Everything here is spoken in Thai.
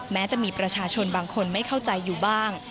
แม้จะมีประชาชนบางคนไม่เข้าใจอยู่บ้าง